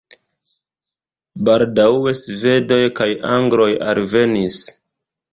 Baldaŭe svedoj kaj angloj alvenis.